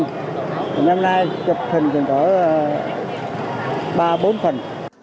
thì năm nay chụp hình thì có ba bốn phần